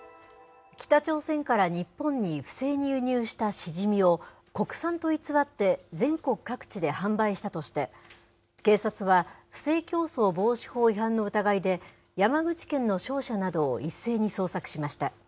北朝鮮から日本に不正に輸入したシジミを、国産と偽って全国各地で販売したとして、警察は不正競争防止法違反の疑いで、山口県の商社などを一斉に捜索しました。